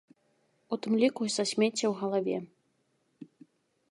У тым ліку і са смецця ў галаве.